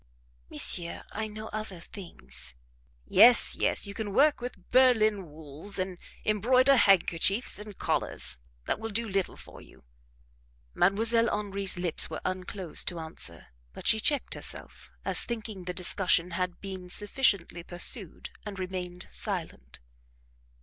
"Monsieur, I know other things." "Yes, yes, you can work with Berlin wools, and embroider handkerchiefs and collars that will do little for you." Mdlle. Henri's lips were unclosed to answer, but she checked herself, as thinking the discussion had been sufficiently pursued, and remained silent.